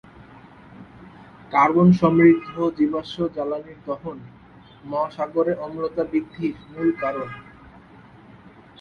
কার্বন-সমৃদ্ধ জীবাশ্ম জ্বালানির দহন মহাসাগরের অম্লতা বৃদ্ধির মূল কারণ।